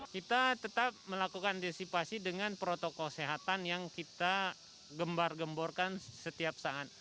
kita tetap melakukan antisipasi dengan protokol kesehatan yang kita gembar gemborkan setiap saat